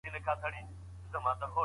نوښت د بریا د پټو لارو موندل دي.